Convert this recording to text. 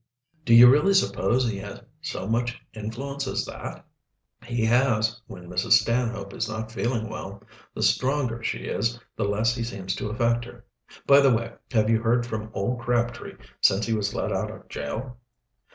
"Do you really suppose he has so much influence as that?" "He has when Mrs. Stanhope is not feeling well. The stronger she is, the less he seems to affect her. By the way, have you heard from old Crabtree since he was let out of jail?"